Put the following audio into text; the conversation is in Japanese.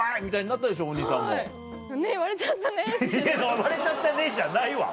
「割れちゃったね」じゃないわ！